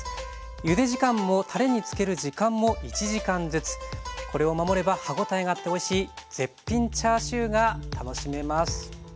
ゆで時間もたれにつける時間も１時間ずつこれを守れば歯応えがあっておいしい絶品チャーシューが楽しめます。